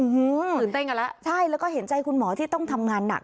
ตื่นเต้นกันแล้วใช่แล้วก็เห็นใจคุณหมอที่ต้องทำงานหนัก